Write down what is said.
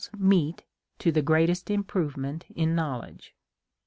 195 meal's meat to the greatest improvement in know ledge.